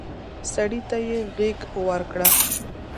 سړي ته يې غېږ ورکړه.